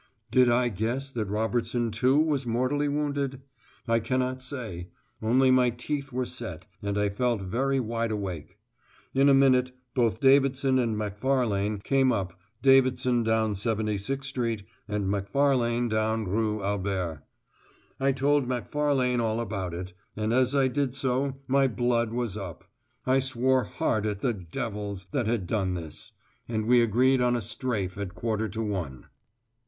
Did I guess that Robertson too was mortally wounded? I cannot say only my teeth were set, and I felt very wideawake. In a minute both Davidson and Macfarlane came up, Davidson down 76 Street, and Macfarlane from Rue Albert. I told Macfarlane all about it, and as I did so my blood was up. I swore hard at the devils that had done this; and we agreed on a "strafe" at a quarter to one.